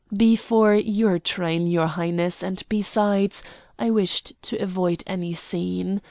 "Before your train, your Highness; and, besides, I wished to avoid any scene.